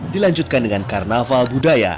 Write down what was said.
dilanjutkan dengan karnaval budaya